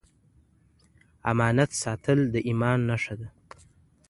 امانت ساتل د ايمان نښه ده.